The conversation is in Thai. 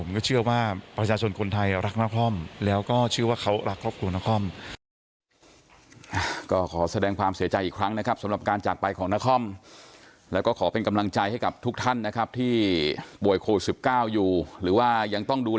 เพราะว่าผมก็เชื่อว่าประชาชนคนไทยรักนครม